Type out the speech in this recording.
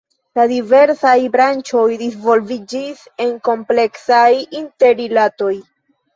La diversaj branĉoj disvolviĝis en kompleksaj interrilatoj.